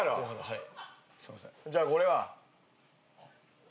はい。